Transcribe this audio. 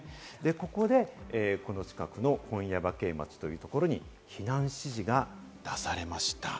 ここで、この近くの本耶馬渓町というところに避難指示が出されました。